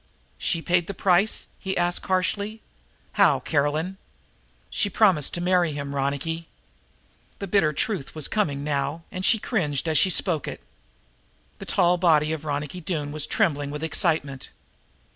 "She paid the price?" he asked harshly. "How, Caroline?" "She promised to marry him, Ronicky." The bitter truth was coming now, and she cringed as she spoke it. The tall body of Ronicky Doone was trembling with excitement.